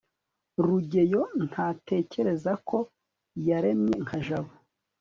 rugeyo ntatekereza ko yaremye nka jabo